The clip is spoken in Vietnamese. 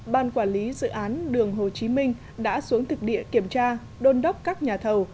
ban quản lý dự án đường hồ chí minh đã xuống thực địa kiểm tra đôn đốc các nhà thầu